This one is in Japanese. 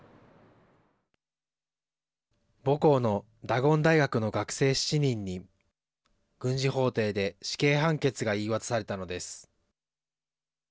母校のダゴン大学の学生７人に軍事法廷で死刑判決が言い渡されたのです。